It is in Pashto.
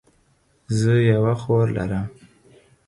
زه یوه خور لرم